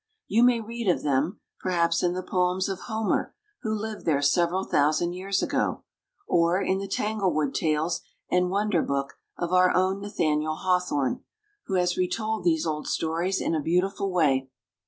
You may read of them, perhaps, in the poems of Homer, who lived there several thousand years ago, or in the " Tanglewood Tales" and " Wonder Book " of our own Nathaniel Hawthorne, who has retold these old stories in a beautiful way.